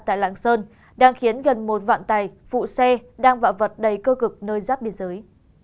tại lạng sơn đang khiến gần một vạn tài phụ xe đang vạ vật đầy cơ cực nơi giáp biên giới